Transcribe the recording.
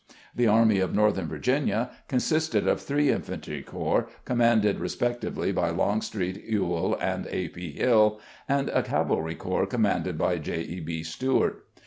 The Army of Northern Virginia consisted of three infantry corps, commanded respectively by Longstreet, Ewell, and A. P. Hill, and a cavalry corps commanded by J. E. B. Stuart.